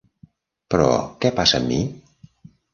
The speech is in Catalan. Però, què passa amb mi?